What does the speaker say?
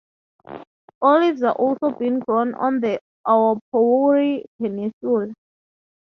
Olives are also being grown on the Aupouri Peninsula.